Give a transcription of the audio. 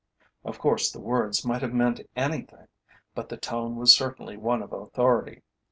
Of course the words might have meant anything, but the tone was certainly one of authority.